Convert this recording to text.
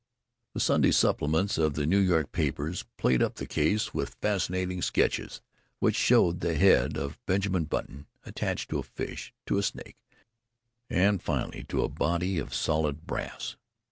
The Sunday supplements of the New York papers played up the case with fascinating sketches which showed the head of Benjamin Button attached to a fish, to a snake, and, finally, to a body of solid brass.